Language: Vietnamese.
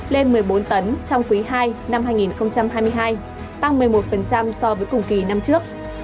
lên một mươi bốn tấn trong quý ii năm hai nghìn hai mươi hai tăng một mươi một so với cùng kỳ năm trước